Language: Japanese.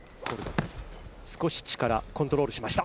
少し力をコントロールしました。